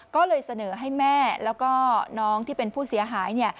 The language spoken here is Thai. ก็เลยเสนอให้แม่แล้วก็น้องที่เป็นผู้เสียหาย